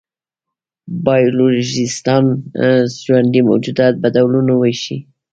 بایولوژېسټان ژوندي موجودات په ډولونو وېشي.